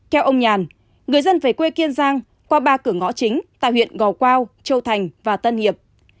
theo ông nhàn người dân về quê kiên giang qua ba cửa ngõ chính tại huyện gò quao châu thành và tân hiệp